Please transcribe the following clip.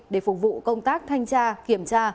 để phục vụ công tác thanh tra kiểm tra